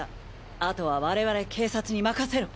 あとは我々警察に任せろ！